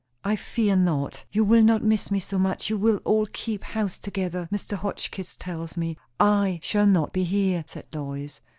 "I fear not. You will not miss me so much; you will all keep house together, Mr. Hotchkiss tells me." "I shall not be here," said Lois.